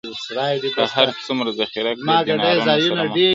که هر څو مره ذخیره کړې دینارونه سره مهرونه!